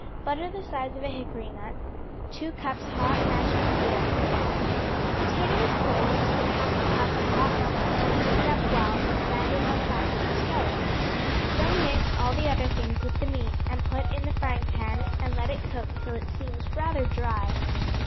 Butter the size of a hickory nut. 2 cups hot mashed potato. If the potato is cold, put half a cup of hot milk in it, beat it up well, and stand it on the back of the stove. Then mix all the other things with the meat, and put it in the frying pan and let it cook till it seems rather dry.